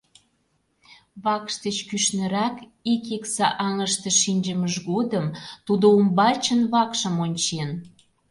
Вакш деч кӱшнырак, ик икса аҥыште, шинчымыж годым тудо умбачын вакшым ончен.